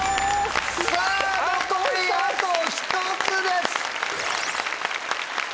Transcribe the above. さぁ残りあと１つです！